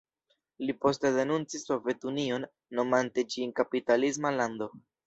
Li poste denuncis Sovetunion nomante ĝin kapitalisma lando.